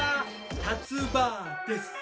たつ婆です。